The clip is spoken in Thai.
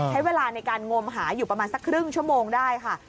ใช้เวลาในการงมหาอยู่ประมาณสักครึ่งชั่วโมงได้ค่ะ